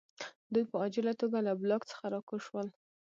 دوی په عاجله توګه له بلاک څخه راکوز شول